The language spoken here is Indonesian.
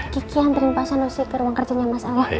kiki anterin pak sanusi ke ruang kerja mas al ya